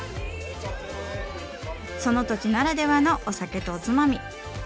その土地ならではのお酒とおつまみ。